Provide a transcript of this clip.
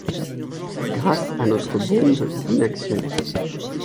grâce à notre bombe d'inaction.